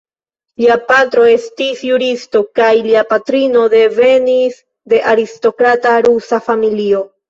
Lia patro estis juristo kaj lia patrino devenis de aristokrata rusa familio.